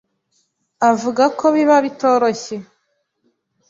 avuga ko biba bitoroshye